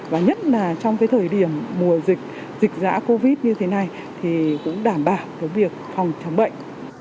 và nhất là trong cái thời điểm mùa dịch dịch giã covid như thế này thì cũng đảm bảo việc phòng chống bệnh